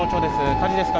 火事ですか？